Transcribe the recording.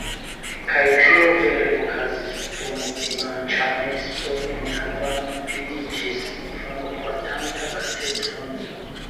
Kaj tio vere okazis: dum dimanĉa meso en Havano vidiĝis infano portanta kateton.